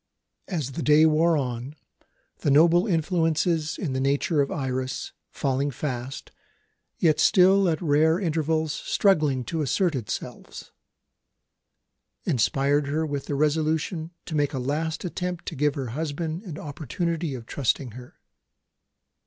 As the day wore on, the noble influences in the nature of Iris, failing fast, yet still at rare intervals struggling to assert themselves, inspired her with the resolution to make a last attempt to give her husband an opportunity of trusting her.